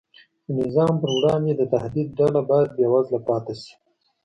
د نظام پر وړاندې د تهدید ډله باید بېوزله پاتې شي.